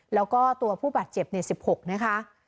แล้วก็ตัวผู้บาดเจ็บ๑๖นะคะ